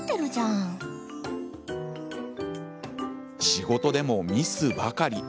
仕事でもミスばかり。